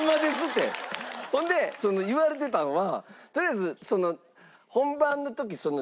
ほんで言われてたんはとりあえず。